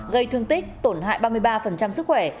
gây thương tích tổn hại ba mươi ba sức khỏe